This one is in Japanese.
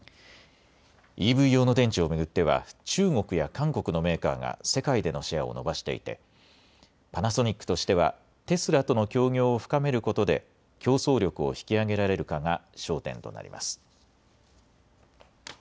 ＥＶ用の電池を巡っては中国や韓国のメーカーが世界でのシェアを伸ばしていて、パナソニックとしてはテスラとの協業を深めることで競争力を引き上げられるかが焦点となります。